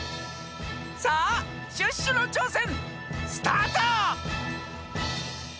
さあシュッシュのちょうせんスタート！